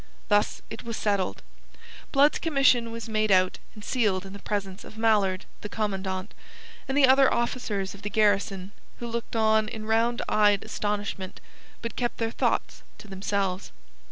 Thus it was settled. Blood's commission was made out and sealed in the presence of Mallard, the Commandant, and the other officers of the garrison, who looked on in round eyed astonishment, but kept their thoughts to themselves.